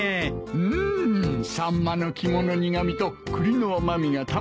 うんサンマの肝の苦味と栗の甘味がたまらんだろうな！